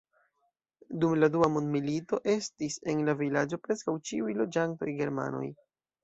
Dum la dua mondmilito estis en la vilaĝo preskaŭ ĉiuj loĝantoj germanoj.